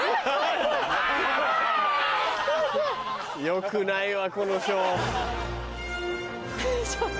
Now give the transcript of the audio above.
よくないわこのショー。